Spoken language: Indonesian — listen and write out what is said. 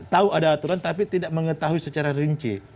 tahu ada aturan tapi tidak mengetahui secara rinci